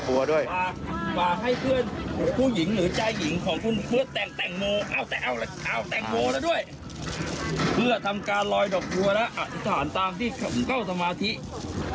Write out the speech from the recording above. จะมาให้เพื่อนผู้หญิงหรือใจหญิงของคนเพื่อแต่งแต่งโม้เพื่อทำการนวดกลัวและอธิบห์ตามที่๙สมทริป